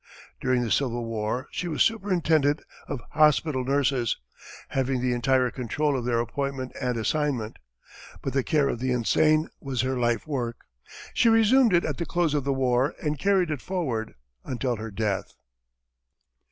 During the Civil War, she was superintendent of hospital nurses, having the entire control of their appointment and assignment. But the care of the insane was her life work. She resumed it at the close of the war, and carried it forward until her death.